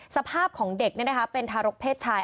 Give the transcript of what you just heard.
สภาพของเด็กเนี่ยนะคะเป็นทารกเพศชาย